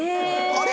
あれ？